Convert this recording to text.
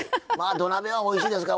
土鍋はおいしいですから。